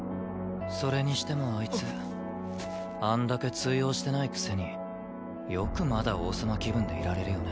それにしてもあいつあんだけ通用してないくせによくまだ王様気分でいられるよね。